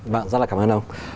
vâng rất là cảm ơn ông